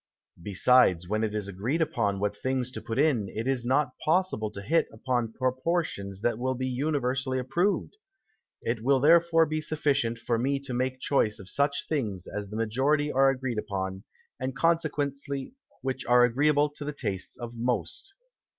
Besides, when it is agreed upon what things to put in, it is not possible to hit upon Proportions that will be universally approved; it will therefore be sufficient for me to make choice of such Things as the Majority are agreed upon, and consequently which are agreeable to the Tastes of most.